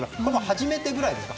初めてぐらいですか？